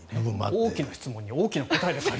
大きな質問に大きな答えで返す。